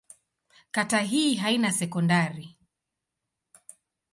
Kata hii haina sekondari.